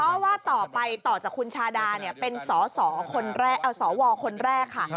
เพราะว่าต่อไปต่อจากคุณชาดาเป็นสสวคนแรกค่ะ